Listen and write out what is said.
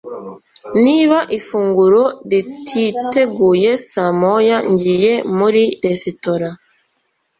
Niba ifunguro rititeguye saa moya ngiye muri resitora